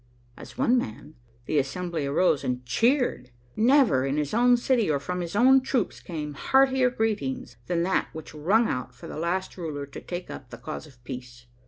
'" As one man, the assembly arose and cheered. Never, in his own city or from his own troops, came heartier greetings than that which rung out for the last ruler to take up the cause of peace.